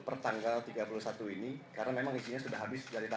pajak itu sendiri ya